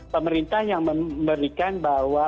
pemerintah yang memberikan bahwa